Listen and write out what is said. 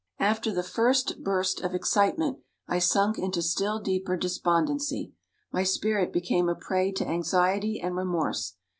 After the first burst of excitement, I sunk into still deeper despondency. My spirit became a prey to anxiety and remorse.